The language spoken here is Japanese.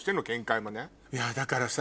いやだからさ